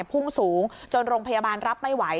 พุ่งสูงจนโรงพยาบาลรับไม่ไหว